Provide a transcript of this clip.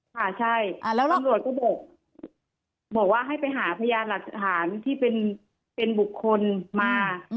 ค่ะใช่อันโหลดก็บอกบอกว่าให้ไปหาพยานหลักฐานที่เป็นบุคคลมา